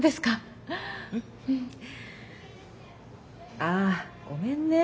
あごめんね。